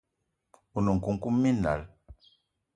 One nkoukouma minal